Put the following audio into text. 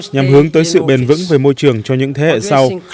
nhằm hướng tới sự bền vững về môi trường cho những thế hệ sau